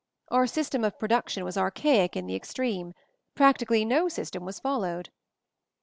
Our system of pro duction was archaic in the extreme; prac tically no system was followed."